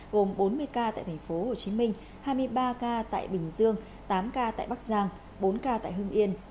gồm bốn mươi ca tại tp hcm hai mươi ba ca tại bình dương tám ca tại bắc giang bốn ca tại hưng yên